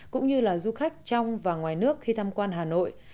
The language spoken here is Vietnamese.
cũng như là du khách trong và ngoài nước khi tham quan hà nội